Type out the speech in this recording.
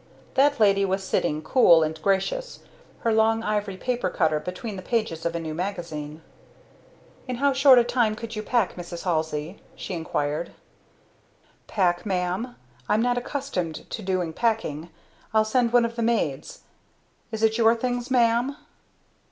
That lady was sitting, cool and gracious, her long ivory paper cutter between the pages of a new magazine. "In how short a time could you pack, Mrs. Halsey?" she inquired. "Pack, ma'am? I'm not accustomed to doing packing. I'll send one of the maids. Is it your things, ma'am?"